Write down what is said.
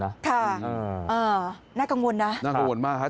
ค่ะน่ากังวลนะน่ากังวลมากฮะ